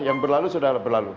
yang berlalu sudah berlalu